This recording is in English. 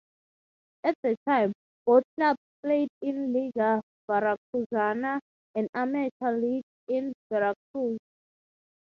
At the time, both clubs played in Liga Veracruzana, an amateur league in Veracruz.